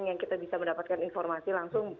yang kita bisa mendapatkan informasi langsung